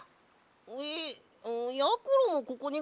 えっやころもここにかざるのか？